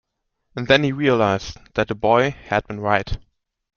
And then he realised that the boy had been right.